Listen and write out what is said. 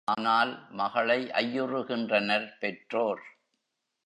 ஆனால், மகளை ஐயுறுகின்றனர் பெற்றோர்.